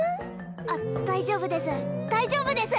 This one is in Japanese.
あ大丈夫です大丈夫です！